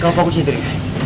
kamu fokus sendiri